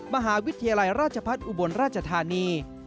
มหาวิทยาลัยราชพัฒน์อุบลราชธานี